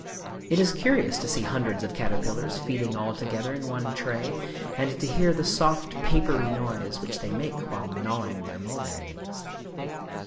It is curious to see hundreds of caterpillars feeding all together in one tray, and to hear the soft papery noise which they make while gnawing their mulberry leaves.